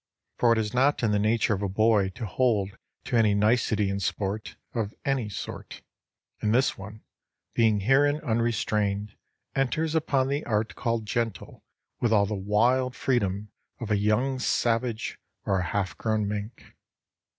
For it is not in the nature of a boy to hold to any nicety in sport of any sort, and this one, being herein unrestrained, enters upon the art called gentle with all the wild freedom of a young savage or a half grown mink.